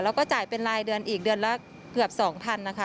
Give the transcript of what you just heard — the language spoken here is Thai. แล้วก็จ่ายเป็นรายเดือนอีกเดือนละเกือบ๒๐๐๐นะคะ